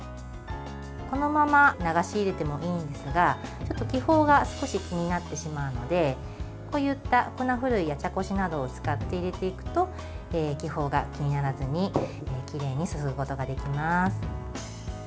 このまま流し入れてもいいのですが気泡が少し気になってしまうのでこういった粉ふるいや茶こしなどを使って入れていくと気泡が気にならずにきれいに注ぐことができます。